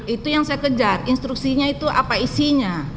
itu yang saya kejar instruksinya itu apa isinya